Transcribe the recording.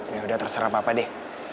yaudah terserah papa deh